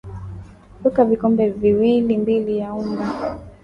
weka vikombe viwili mbili vya unga